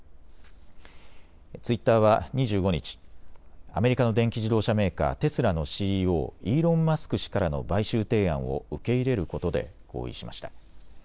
ツイッターは２５日、アメリカの電気自動車メーカー、テスラのＣＥＯ、イーロン・マスク氏からの買収提案を受け入れることで合意しました。